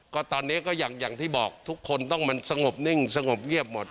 ก็ตอนนี้ก็อย่างที่บอกทุกคนต้องมันสงบนิ่งสงบเงียบหมด